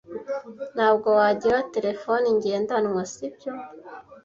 Ntabwo wagira terefone ngendanwa, sibyo?